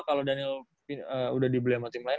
kalau daniel udah dibelemah tim lain